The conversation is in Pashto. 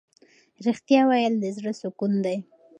ریښتیا ویل د زړه سکون دی.